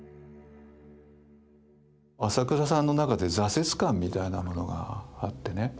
朝倉さんの中で挫折感みたいなものがあってね。